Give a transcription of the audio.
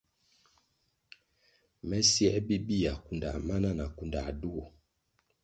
Me siē bibihya, kundā mana na na kunda duo.